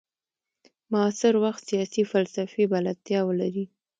معاصر وخت سیاسي فلسفې بلدتیا ولري.